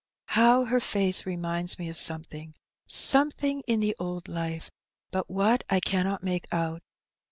How her face reminds me of something, some thing in the old life, but what I cannot make out.